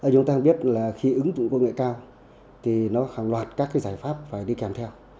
chúng ta biết là khi ứng dụng công nghệ cao thì nó hàng loạt các giải pháp phải đi kèm theo